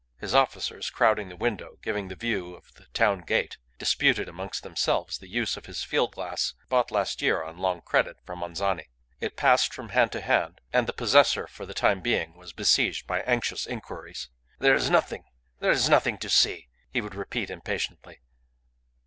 His officers, crowding the window giving the view of the town gate, disputed amongst themselves the use of his field glass bought last year on long credit from Anzani. It passed from hand to hand, and the possessor for the time being was besieged by anxious inquiries. "There is nothing; there is nothing to see!" he would repeat impatiently.